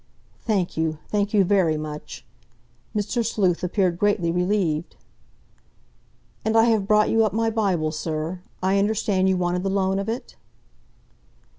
"Thank you—thank you very much." Mr. Sleuth appeared greatly relieved. "And I have brought you up my Bible, sir. I understood you wanted the loan of it?"